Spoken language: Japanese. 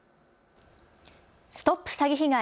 ＳＴＯＰ詐欺被害！